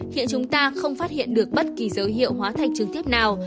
hiện chúng ta không phát hiện được bất kỳ dấu hiệu hóa thành trứng tiếp nào